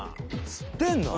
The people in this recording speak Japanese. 吸ってんの？